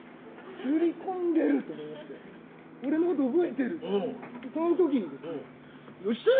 刷り込んでると思いまして俺のこと覚えてるその時にですねよっしゃ！